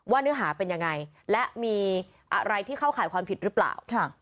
เนื้อหาเป็นยังไงและมีอะไรที่เข้าข่ายความผิดหรือเปล่า